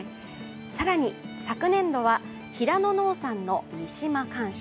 更に、昨年度は平野農産の三島甘薯。